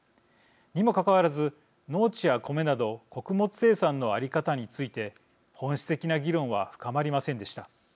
にもかかわらず農地やコメなど穀物生産の在り方について本質的な議論は深まりませんでした。